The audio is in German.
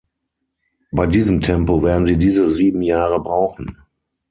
Bei diesem Tempo werden sie diese sieben Jahre brauchen.